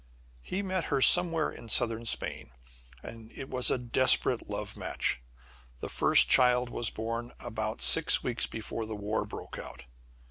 He met her somewhere in Southern Spain, and it was a desperate love match. The first child was born about six weeks before the war broke out.